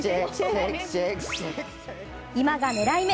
今が狙い目